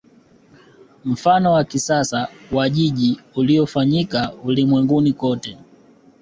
Mfano wa kisasa wa jiji uliofanyika ulimwenguni kote